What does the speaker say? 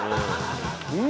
うん。